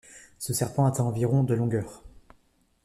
Ce serpent atteint environ de longueur.